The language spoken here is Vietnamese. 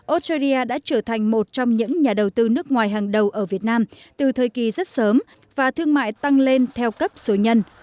australia đã trở thành một trong những nhà đầu tư nước ngoài hàng đầu ở việt nam từ thời kỳ rất sớm và thương mại tăng lên theo cấp số nhân